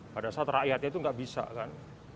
pada saat rakyatnya itu nggak bisa kan